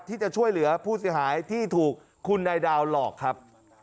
ที่จะช่วยเหลือผู้เสียหายที่ถูกคุณนายดาวหลอกครับ